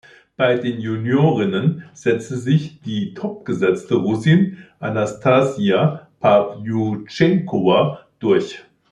Bei den Juniorinnen setzte sich die topgesetzte Russin Anastassija Pawljutschenkowa durch.